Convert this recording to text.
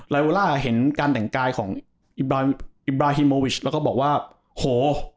โอล่าเห็นการแต่งกายของอิบราอิบราฮิโมวิชแล้วก็บอกว่าโห